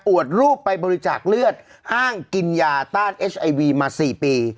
วดรูปไปบริจาคเลือดห้างกินยาต้านเอสไอวีมา๔ปี